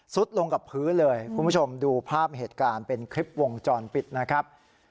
สุดลงกับพื้นเลยคุณผู้ชมดูภาพเหตุการณ์เป็นคลิปวงจรปิดนะครับ